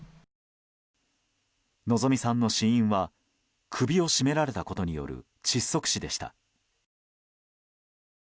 希美さんの死因は首を絞められたことによる窒息死でした。